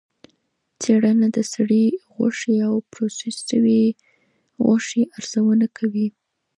څېړنه د سرې غوښې او پروسس شوې غوښې ارزونه کوي.